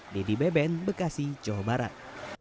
dedy beben bekasi jawa barat